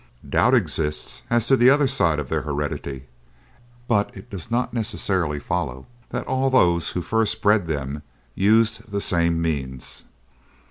Doubt exists as to the other side of their heredity, but it does not necessarily follow that all those who first bred them used the same means.